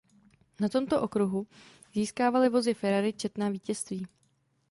Na tomto okruhu získávaly vozy Ferrari četná vítězství.